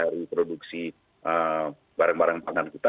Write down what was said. dari produksi barang barang pangan kita